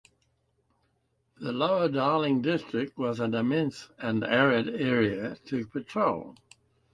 The Lower Darling district was an immense and arid area to patrol.